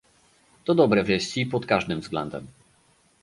To dobre wieści pod każdym względem